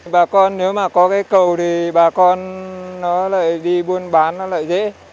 bà con nếu mà có cây cầu thì bà con nó lại đi buôn bán nó lại dễ